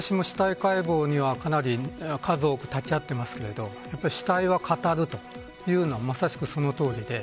私も、死体解剖にはかなり数多く立ち合っていますけれども死体は語るというのはまさにそのとおりです。